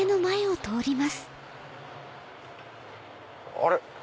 あれ？